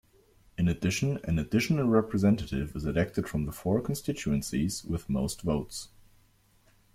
In addition an additional representative is elected from the four constituencies with most votes.